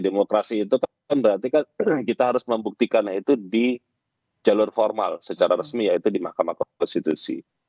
demokrasi itu kan berarti kan kita harus membuktikannya itu di jalur formal secara resmi yaitu di mahkamah konstitusi